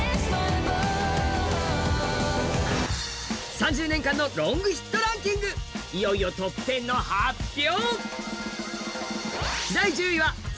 ３０年間のロングヒットランキング、いよいよトップ１０の発表。